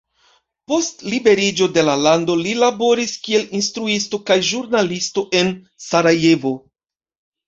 Post liberiĝo de la lando li laboris kiel instruisto kaj ĵurnalisto en Sarajevo.